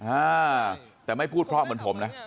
อ่าแต่ไม่พูดเพราะเหมือนผมนะ